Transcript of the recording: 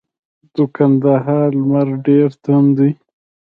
د کندهار لمر ډیر توند دی.